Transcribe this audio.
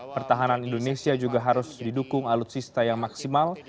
pertahanan indonesia juga harus didukung alutsista yang maksimal